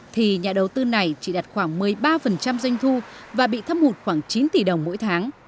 thì nhà đầu tư này chỉ đạt khoảng một mươi ba doanh thu và bị thâm hụt khoảng chín tỷ đồng mỗi tháng